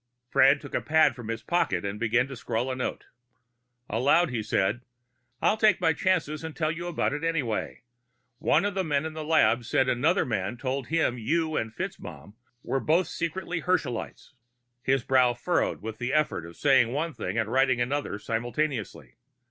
Fred took a pad from his pocket and began to scrawl a note. Aloud he said, "I'll take my chances and tell you about it anyway. One of the men in the lab said another man told him you and FitzMaugham are both secretly Herschelites." His brow furrowed with the effort of saying one thing and writing another simultaneously.